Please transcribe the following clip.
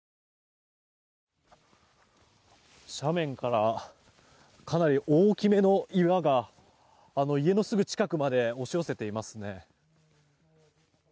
斜面からかなり大きめの岩があの家のすぐ近くまで押し寄せていますね。